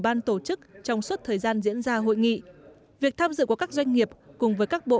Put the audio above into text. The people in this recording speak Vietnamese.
ban tổ chức trong suốt thời gian diễn ra hội nghị việc tham dự của các doanh nghiệp cùng với các bộ